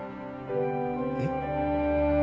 えっ？